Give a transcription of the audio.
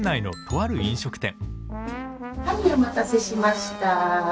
はいお待たせしました。